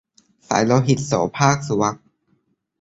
สายโลหิต - โสภาค สุวรรณ